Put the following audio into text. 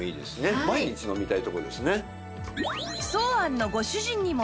毎日飲みたいところですね。